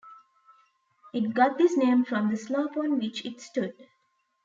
It got this name from the slope on which it stood.